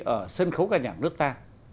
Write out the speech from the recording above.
ở sân khấu ca nhạc nước ta